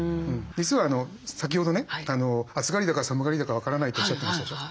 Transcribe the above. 実は先ほどね暑がりだか寒がりだか分からないっておっしゃってましたでしょ。